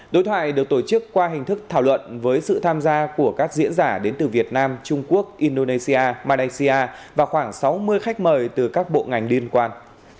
đối thoại được tổ chức qua hình thức thảo luận với sự tham gia của các diễn giả đến từ việt nam trung quốc indonesia malaysia và khoảng sáu mươi khách mời từ các bộ ngành liên quan